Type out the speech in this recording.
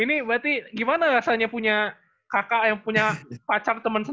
ini berarti gimana rasanya punya kakak yang punya pacar temen